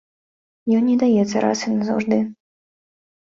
Ён не даецца раз і назаўжды.